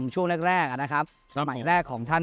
ในช่วงแรกอะนะท่าน